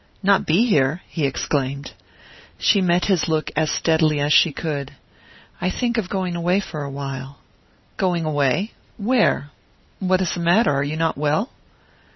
"Not be here?" he exclaimed. She met his look as steadily as she could. "I think of going away for awhile." "Going away? Where? What is the matter are you not well?"